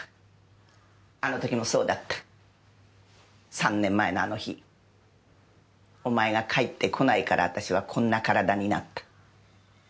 ３年前のあの日お前が帰ってこないから私はこんな体になった。